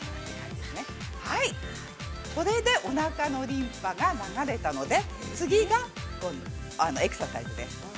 それでおなかがリンパが流れたので、次が今度、エクササイズです。